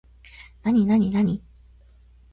なになになに